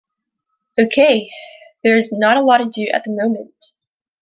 Okay, there is not a lot to do at the moment.